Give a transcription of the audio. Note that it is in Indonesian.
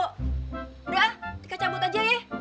udah tika cabut aja yeh